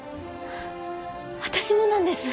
私もなんです。